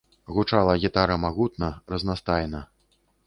Гучала гітара магутна, разнастайна.